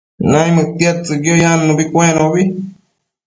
naimëdtiadtsëcquio yannubi cuenobi